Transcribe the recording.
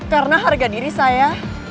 karena harga diri saya